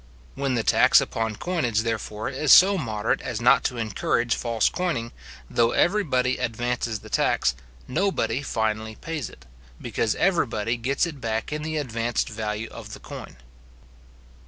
When the tax upon coinage, therefore, is so moderate as not to encourage false coining, though every body advances the tax, nobody finally pays it; because every body gets it back in the advanced value of the coin.